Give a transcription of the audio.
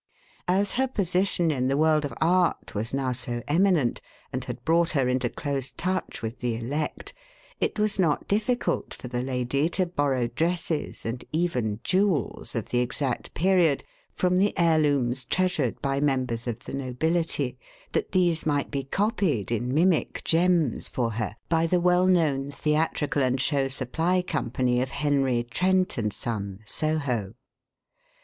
As her position in the world of art was now so eminent and had brought her into close touch with the elect, it was not difficult for the lady to borrow dresses, and even jewels, of the exact period from the heirlooms treasured by members of the nobility, that these might be copied in mimic gems for her by the well known theatrical and show supply company of Henry Trent & Son, Soho.